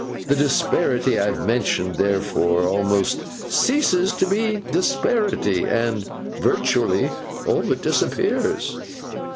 The disparity I have mentioned, therefore, almost ceases to be disparity, and (virtually) all but disappears.